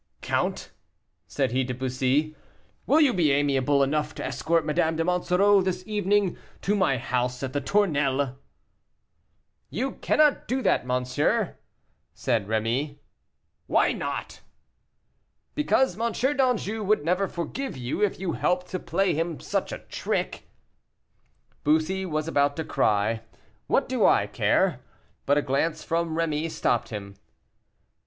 "Count," said he to Bussy, "will you be amiable enough to escort Madame de Monsoreau this evening to my house at the Tournelles?" "You cannot do that, monsieur," said Rémy. "Why not?" "Because M. d'Anjou would never forgive you if you helped to play him such a trick." Bussy was about to cry, "What do I care?" but a glance from Rémy stopped him.